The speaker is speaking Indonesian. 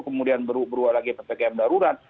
kemudian berubah lagi ppkm darurat